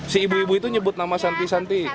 si ibu ibu itu nyebut nama santi santi